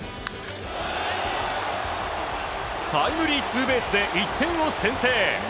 タイムリーツーベースで１点を先制。